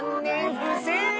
不正解。